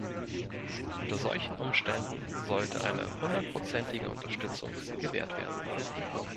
Unter solchen Umständen sollte eine hundertprozentige Unterstützung gewährt werden.